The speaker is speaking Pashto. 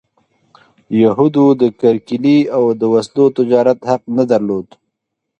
یهودو د کرکیلې او د وسلو تجارت حق نه درلود.